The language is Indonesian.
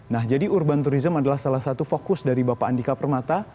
nah jadi urban tourism adalah salah satu fokus dari bapak andika permata